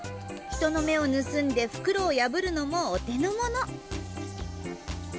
人の目を盗んで袋を破るのもお手のもの。